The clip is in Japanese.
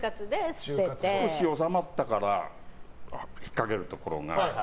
少し収まったから引っかけるところが。